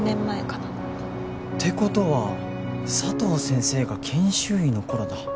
って事は佐藤先生が研修医の頃だ